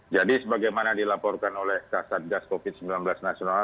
jadi sebagaimana dilaporkan oleh kasar gas covid sembilan belas nasional